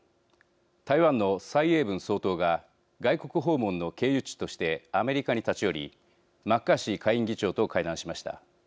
台湾の蔡英文総統が外国訪問の経由地としてアメリカに立ち寄りマッカーシー下院議長と会談しました。